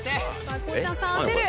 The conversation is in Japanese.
こうちゃんさん焦る。